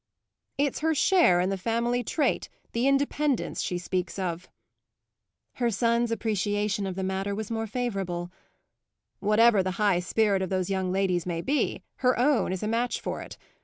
"It's her share in the family trait, the independence she speaks of." Her son's appreciation of the matter was more favourable. "Whatever the high spirit of those young ladies may be, her own is a match for it.